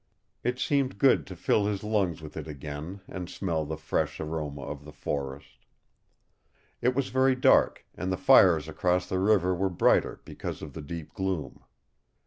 It seemed good to fill his lungs with it again and smell the fresh aroma of the forest. It was very dark, and the fires across the river were brighter because of the deep gloom.